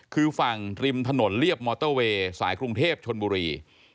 คือฝั่งริมถนนเรียบมอเตอร์เวย์สายกรุงเทพชนบุรี